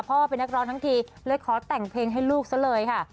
เป็นนักร้องทั้งทีเลยขอแต่งเพลงให้ลูกซะเลยค่ะ